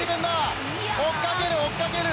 追っかける、追っかける！